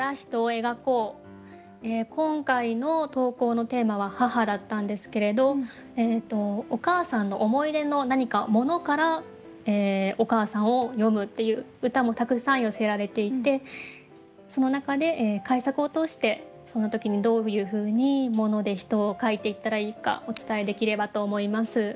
今回の投稿のテーマは「母」だったんですけれどお母さんの思い出の何か物からお母さんを詠むっていう歌もたくさん寄せられていてその中で改作を通してその時にどういうふうに物で人を描いていったらいいかお伝えできればと思います。